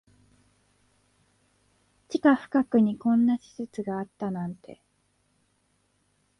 地下深くにこんな施設があったなんて